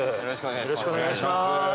よろしくお願いします！